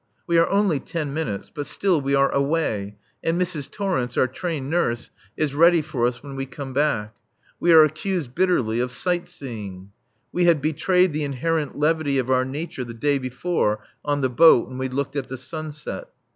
We are only ten minutes, but still we are away, and Mrs. Torrence, our trained nurse, is ready for us when we come back. We are accused bitterly of sight seeing. (We had betrayed the inherent levity of our nature the day before, on the boat, when we looked at the sunset.)